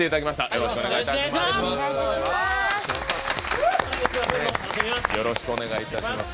よろしくお願いします。